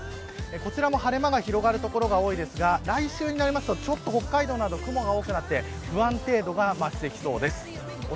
こちらも晴れ間が広がる所が多いですが来週になると北海道など雲が多くなって不安定度が増してきそうです。